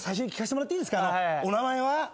お名前は？